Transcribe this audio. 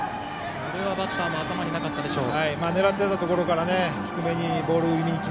これはバッターの頭になかったでしょう。